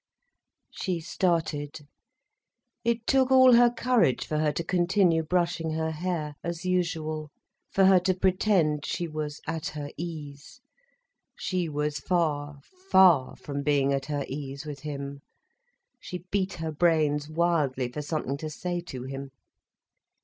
She started. It took all her courage for her to continue brushing her hair, as usual, for her to pretend she was at her ease. She was far, far from being at her ease with him. She beat her brains wildly for something to say to him.